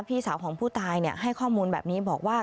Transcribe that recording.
พี่สาวของผู้ตายให้ข้อมูลแบบนี้บอกว่า